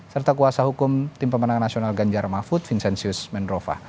serta kuasa hukum tim pemenang nasional ganjar mahfud vincenzius menrofa